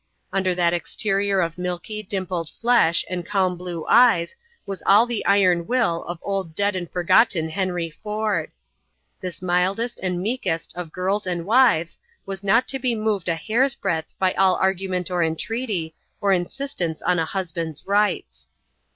Under that exterior of milky, dimpled flesh and calm blue eyes was all the iron will of old dead and forgotten Henry Ford. This mildest and meekest of girls and wives was not to be moved a hairsbreadth by all argument or entreaty, or insistence on a husband's rights.